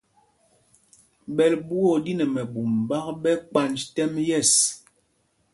Ɓɛ́l ɓuá o ɗí nɛ mɛbûm ɓák ɓɛ kpanj tɛ́m yɛ̂ɛs.